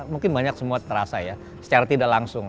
mungkin banyak semua terasa ya secara tidak langsung